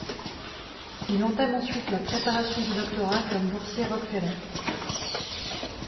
Il entame ensuite la préparation du doctorat comme boursier Rockefeller.